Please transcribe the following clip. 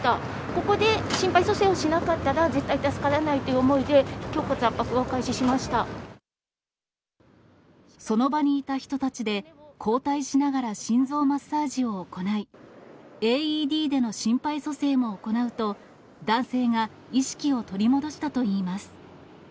ここで心肺蘇生をしなかったら、絶対助からないという思いで、その場にいた人たちで、交代しながら心臓マッサージを行い、ＡＥＤでの心肺蘇生も行うと、男性が意識を取り戻したといいます。